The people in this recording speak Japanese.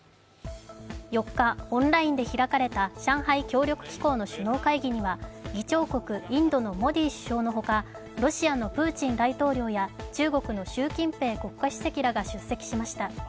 ４日、オンラインで開かれた上海協力機構の首脳会議には議長国インドのモディ首相のほかロシアのプーチン大統領や中国の習近平国家主席らが出席しました。